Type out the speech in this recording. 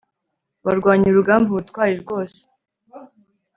warwanye urugamba ubutwari rwose